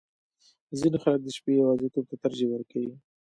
• ځینې خلک د شپې یواځیتوب ته ترجیح ورکوي.